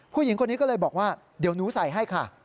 ผู้หญิงคนนี้ก็เลยบอกว่าเดี๋ยวหนูใส่ให้ค่ะ